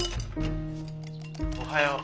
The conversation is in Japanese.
おはよう。